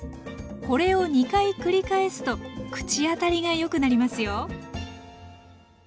これを２回繰り返すと口当たりがよくなりますよ。